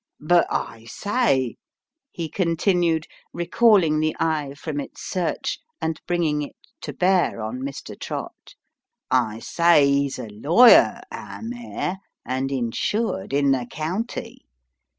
" But, I say !" he continued, recalling the eye from its search, and bringing it to bear on Mr. Trott. " I say, he's a lawyer, our mayor, and insured in the County.